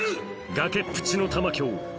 崖っぷちの玉響